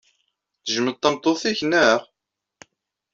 Tejjmeḍ tameṭṭut-nnek, naɣ?